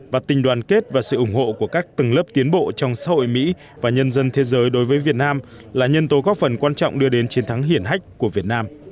và tình đoàn kết và sự ủng hộ của các tầng lớp tiến bộ trong xã hội mỹ và nhân dân thế giới đối với việt nam là nhân tố góp phần quan trọng đưa đến chiến thắng hiển hách của việt nam